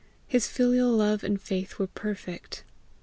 His filial love and faith were perfect.